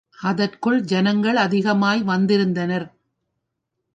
அதற்கு ஜனங்கள் அதிகமாய் வந்திருந்தனர்.